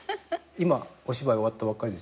今お芝居終わったばっかり？